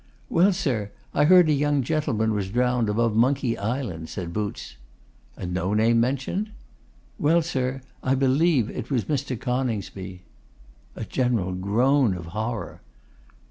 'Well, sir, I heard a young gentleman was drowned above Monkey Island,' said Boots. 'And no name mentioned?' 'Well, sir, I believe it was Mr. Coningsby.' A general groan of horror.